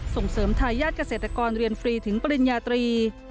ส่งเสริมทายาทเกษตรกรเรียนฟรีถึงปริญญาตรี